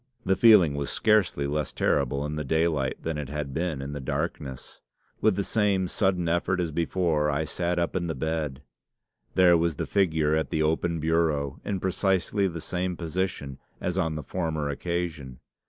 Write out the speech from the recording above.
The feeling was scarcely less terrible in the daylight than it had been in the darkness. With the same sudden effort as before, I sat up in the bed. There was the figure at the open bureau, in precisely the same position as on the former occasion.